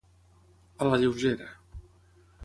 A la lleugera.